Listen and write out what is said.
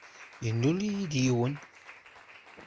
Yennul-iyi-d yiwen.